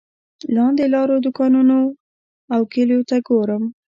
لاندې لارو دوکانونو او کلیو ته ګورم.